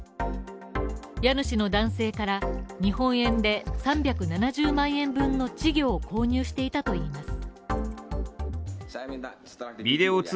家主の男性から日本円で３７０万円分の稚魚を購入していたといいます。